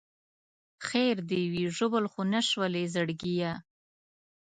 خیر دې وي ژوبل خو نه شولې زړګیه.